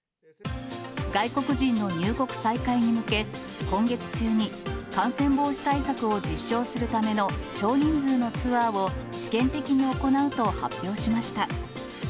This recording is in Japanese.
外国人の入国再開に向け、今月中に感染防止対策を実証するための少人数のツアーを試験的に行うと発表しました。